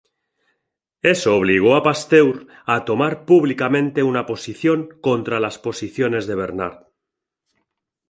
Eso obligó a Pasteur a tomar públicamente una posición contra las posiciones de Bernard.